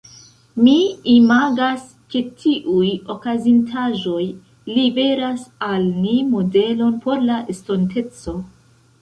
Mi imagas ke tiuj okazintaĵoj liveras al ni modelon por la estonteco.